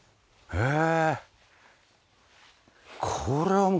へえ。